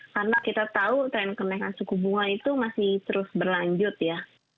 karena kita tahu tren kenaikan suku bunga itu masih terus berlanjut ya